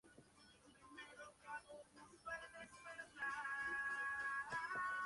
La zona donde se encuentra la playa Punta Maroma fue habitada por los mayas.